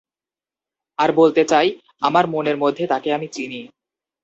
আর বলতে চাই, আমার মনের মধ্যে তাঁকে আমি চিনি।